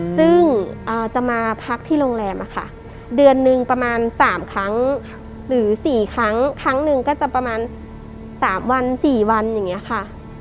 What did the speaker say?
ซึ่งจะมาพักที่โรงแรมอะค่ะเดือนหนึ่งประมาณ๓ครั้งหรือ๔ครั้งครั้งหนึ่งก็จะประมาณ๓วัน๔วันอย่างนี้ค่ะ